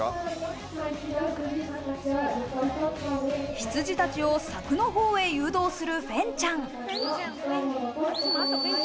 羊たちを柵のほうへ誘導するフェンちゃん。